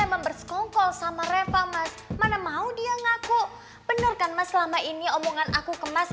emang berskongkol sama reva mas mana mau dia ngaku bener kan mas selama ini omongan aku geng dulu